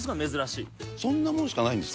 そんなもんしかないんですか。